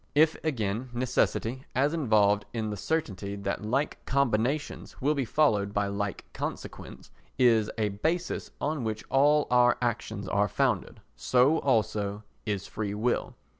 If, again, necessity, as involved in the certainty that like combinations will be followed by like consequence, is a basis on which all our actions are founded, so also is freewill.